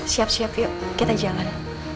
siap siap yuk kita jalan